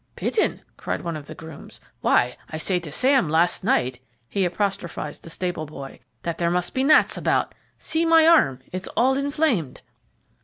"Bitten!" cried one of the grooms. "Why, I said to Sam last night" he apostrophized the stable boy "that there must be gnats about. See my arm, it's all inflamed."